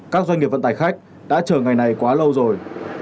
các doanh nghiệp vận tải khách đã chờ ngày này quá lâu rồi